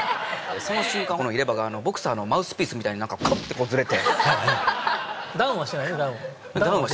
その瞬間入れ歯がボクサーのマウスピースみたいになんかカッてずれて。